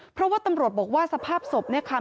เพราะว่าตำรวจบอกว่าสภาพศพเนี่ยค่ะ